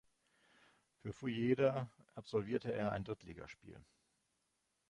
Für Fujieda absolvierte er ein Drittligaspiel.